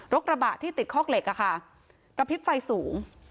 กระบะที่ติดคอกเหล็กกระพริบไฟสูง